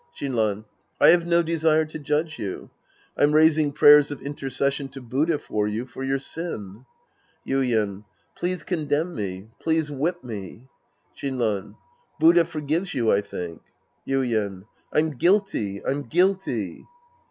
Shinran. I have no desire to judge you. I'm raising prayers of intercession to Buddha for you, for your sin. Yuien. Please condemn me. Please whip me. Shinran. Buddha forgives you, I think. Yuien. I'm guilty, I'm guilty.